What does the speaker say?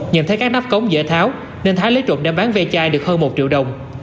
nhận thấy các nắp cống dễ tháo nên thái lấy trộm đem bán ve chai được hơn một triệu đồng